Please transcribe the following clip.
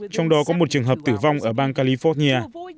trong đó có một trường hợp tử vong ở bang california